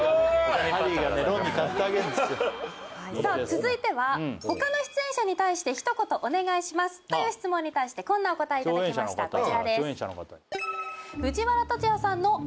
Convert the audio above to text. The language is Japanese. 続いては他の出演者に対して一言お願いしますという質問に対してこんなお答えいただきましたこちらです